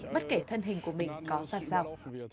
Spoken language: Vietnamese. bất kể thân hình của mình có ra sao